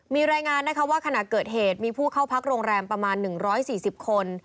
มีรายงานนะคะว่าขณะเกิดเหตุมีผู้เข้าพักโรงแรมประมาณ๑๔๐คน